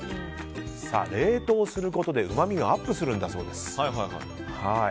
冷凍することでうまみがアップするんだそうです。